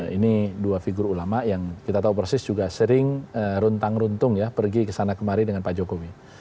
ini dua figur ulama yang kita tahu persis juga sering runtang runtung ya pergi kesana kemari dengan pak jokowi